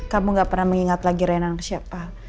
kamu gak pernah mengingat lagi rena dengan siapa